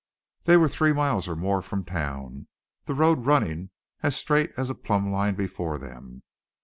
They were three miles or more from town, the road running as straight as a plumbline before them.